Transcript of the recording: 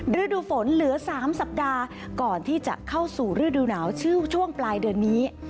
ฤดูฝนเหลือ๓สัปดาห์ก่อนที่จะเข้าสู่ฤดูหนาวชื่อช่วงปลายเดือนนี้